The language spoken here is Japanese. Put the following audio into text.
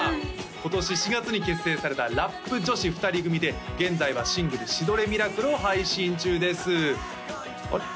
今年４月に結成されたラップ女子２人組で現在はシングル「シ・ド・レ・ミラクル」を配信中ですあれ？